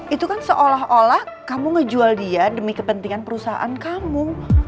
itu kan seolah olah kamu ngejual dia demi kepentingan perusahaan kamu